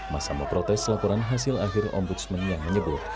masa memprotes laporan hasil akhir ombudsman yang menyebut